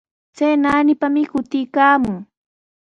Chay naanipami kutiykaamun.